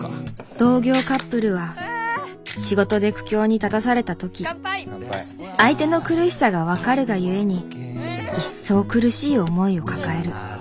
同業カップルは仕事で苦境に立たされた時相手の苦しさが分かるが故に一層苦しい思いを抱える。